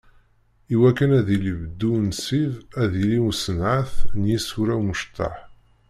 I wakken ad yili beddu unṣib, ad d-yili usenɛet n yisura imecṭaḥ.